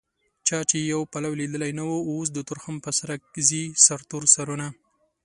چا يې پلو ليدلی نه و اوس د تورخم په سرک ځي سرتور سرونه